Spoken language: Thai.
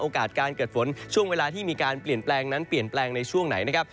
การเกิดฝนช่วงเวลาที่มีการเปลี่ยนแปลงนั้นเปลี่ยนแปลงในช่วงไหนนะครับ